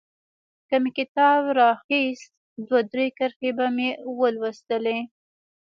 که مې کتاب رااخيست دوه درې کرښې به مې ولوستلې.